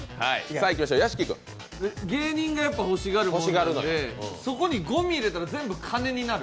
芸人が欲しがるものなのでそこにゴミ入れたら全部、金になる。